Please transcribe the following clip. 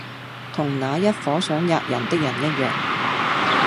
同那一夥想喫人的人一樣。